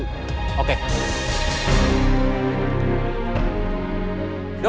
dido suruh ketemu kita dulu